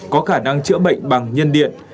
có khả năng trữa bệnh bằng nhân điện